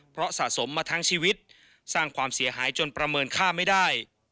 เพราะสะสมมาทั้งชีวิตสร้างความเสียหายจนประเมินค่าไม่ได้